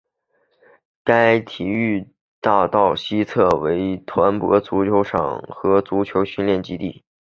该体育大道的西侧为团泊足球场和足球训练基地。